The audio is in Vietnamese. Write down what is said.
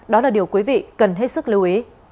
đó là điều quý vị cần hết sức lưu ý